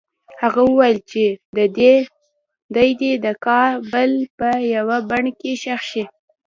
هغه وویل چې دی دې د کابل په یوه بڼ کې ښخ شي.